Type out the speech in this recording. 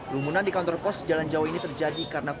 rumunan di kantor pos jalan jawa ini terjadi karena kondisi